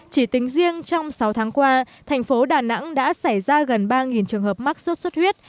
chỉ tính riêng trong sáu tháng qua thành phố đà nẵng đã xảy ra gần ba trường hợp mắc sốt xuất huyết